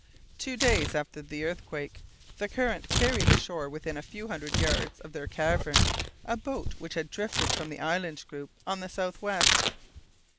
Two days after the earthquake, the current carried ashore within a few hundred yards of their cavern a boat which had drifted from the island group on the south west.